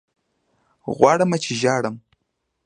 غواړمه چې ژاړم